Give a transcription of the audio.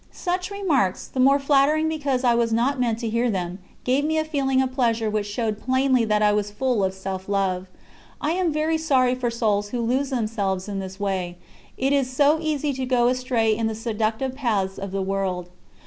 Such remarks, the more flattering because I was not meant to hear them, gave me a feeling of pleasure which showed plainly that I was full of self love. I am very sorry for souls who lose themselves in this way. It is so easy to go astray in the seductive paths of the world.